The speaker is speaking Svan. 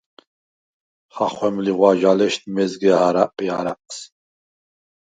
ხახვემ ლიღვაჟალეშდ მეზგე ა̈რა̈ყი არა̈ყს.